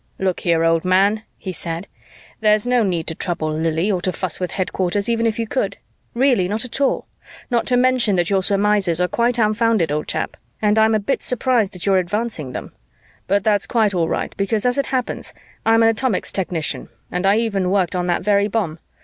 "Look here, old man," he said, "there's no need to trouble Lili, or to fuss with headquarters, even if you could. Really not at all. Not to mention that your surmises are quite unfounded, old chap, and I'm a bit surprised at your advancing them. But that's quite all right because, as it happens, I'm an atomics technician and I even worked on that very bomb.